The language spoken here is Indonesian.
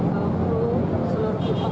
kau seluruh penelitian